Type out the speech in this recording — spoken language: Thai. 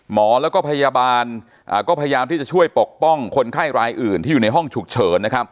หมอแล้วก็พยาบาลก็พยายามที่จะช่วยปกป้องคนไข้รายอื่นที่อยู่ในห้องฉุกเฉิน